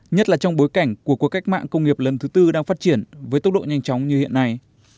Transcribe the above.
nhất là trong bối cảnh của cuộc cách mạng công nghiệp lần thứ tư đang phát triển với tốc độ nhanh chóng như hiện nay